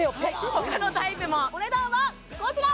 他のタイプもお値段はこちら！